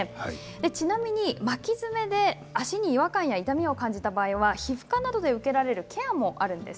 ちなみに巻き爪で足に違和感や痛みを感じた場合は皮膚科などで受けられるケアもあります。